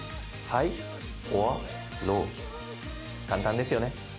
簡単ですよね。